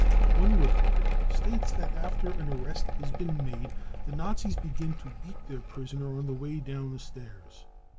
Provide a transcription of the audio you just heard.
One report states that after an arrest had been made the Nazis began to beat their prisoner on the way down the stairs.